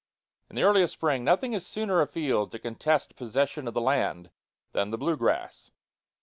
In the earliest spring nothing is sooner afield to contest possession of the land than the blue grass.